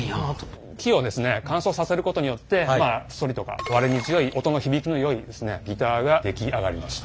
乾燥させることによってそりとか割れに強い音の響きのよいギターが出来上がりますと。